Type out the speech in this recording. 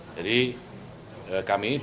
jadi kami diperoleh